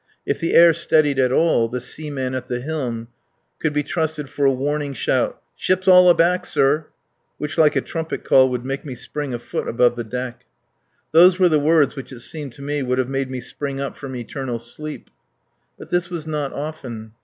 If the air steadied at all the seaman at the helm could be trusted for a warning shout: "Ship's all aback, sir!" which like a trumpet call would make me spring a foot above the deck. Those were the words which it seemed to me would have made me spring up from eternal sleep. But this was not often.